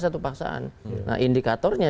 satu paksaan nah indikatornya